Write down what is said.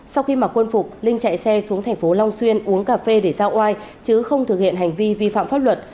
sau khi mà quân phục linh chạy xe xuống thành phố long xuyên uống cà phê để giao oai chứ không thực hiện hành vi vi phạm pháp luật